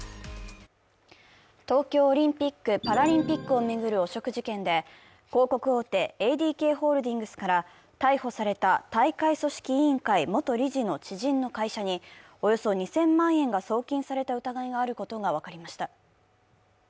東京オリンピック・パラリンピックを巡る汚職事件で、広告大手、ＡＤＫホールディングスから逮捕された大会組織委員会元理事の知人の会社に、およそ２０００万円が送金された疑いがあることが分かりました。